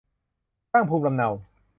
ตั้งภูมิลำเนา